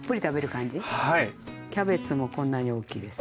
キャベツもこんなに大きいですね。